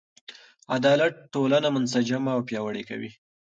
عدالت ټولنه منسجمه او پیاوړې کوي.